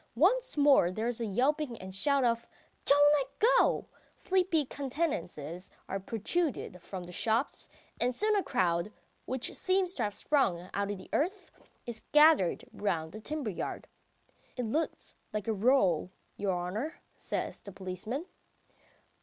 Once more there is a yelping and a shout of "Don't let go!" Sleepy countenances are protruded from the shops, and soon a crowd, which seems to have sprung out of the earth, is gathered round the timber yard. "It looks like a row, your honour ..." says the policeman.